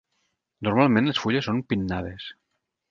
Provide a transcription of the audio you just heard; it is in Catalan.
Normalment les fulles són pinnades.